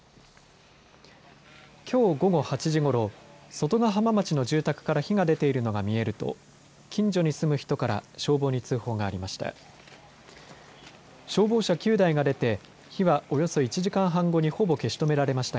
きょう午後８時ごろ外ヶ浜町の住宅から火が出ているのが見えると近所に住む人から消防に通報がありました。